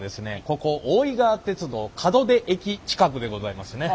ここ大井川鐵道門出駅近くでございますね。